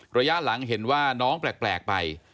ระยะหลังเห็นว่าน้องแปลกไป